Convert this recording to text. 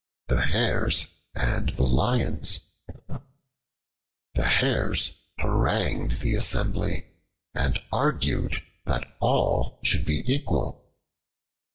The Hares and the Lions THE HARES harangued the assembly, and argued that all should be equal.